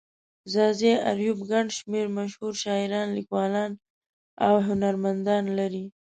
ځاځي اريوب گڼ شمېر مشهور شاعران، ليکوالان او هنرمندان لري.